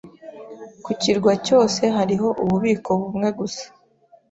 Ku kirwa cyose hariho ububiko bumwe gusa.